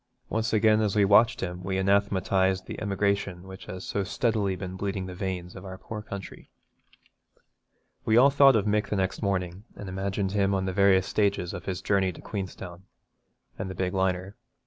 Once again as we watched him we anathematised the emigration which has so steadily been bleeding the veins of our poor country. We all thought of Mick the next morning, and imagined him on the various stages of his journey to Queenstown, and the big liner.